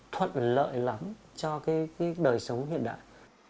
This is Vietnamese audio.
thuận lợi lắm cho cái đời sống hiện đại